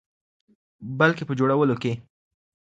بلکې په جوړولو کې.